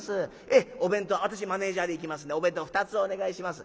えっお弁当私マネージャーで行きますんでお弁当２つお願いします。